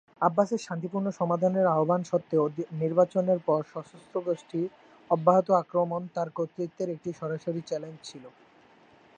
আব্বাসের শান্তিপূর্ণ সমাধানের আহবান সত্ত্বেও নির্বাচনের পর সশস্ত্র গোষ্ঠীর অব্যাহত আক্রমণ তার কর্তৃত্বের একটি সরাসরি চ্যালেঞ্জ ছিল।